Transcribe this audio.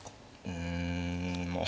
うんまあ